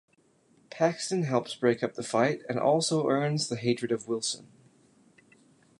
Paxton helps break up the fight and also earns the hatred of Wilson.